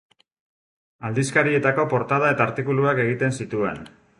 Aldizkarietako portada eta artikuluak egiten zituen.